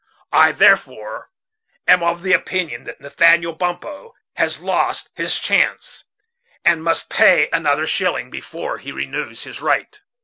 I therefore am of the opinion that Nathaniel Bumppo has lost his chance, and must pay another shilling before he renews his right."